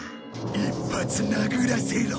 一発殴らせろ。